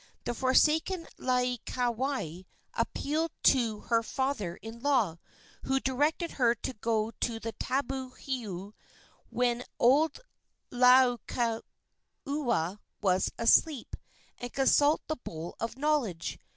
The forsaken Laieikawai appealed to her father in law, who directed her to go to the tabu heiau when old Laukieleula was asleep, and consult the bowl of knowledge.